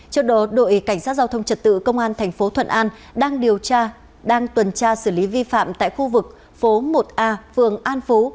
trước đó đội cảnh sát giao thông trật tự công an thành phố thuận an đang điều tra đang tuần tra xử lý vi phạm tại khu vực phố một a phường an phú